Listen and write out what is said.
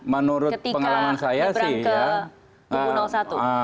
menurut pengalaman saya sih ya